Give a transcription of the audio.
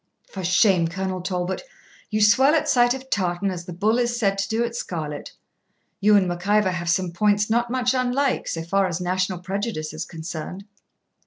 'For shame, Colonel Talbot! you swell at sight of tartan as the bull is said to do at scarlet. You and Mac Ivor have some points not much unlike, so far as national prejudice is concerned.'